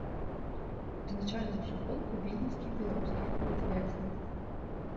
Узначальваў суполку віленскіх беларускіх палітвязняў.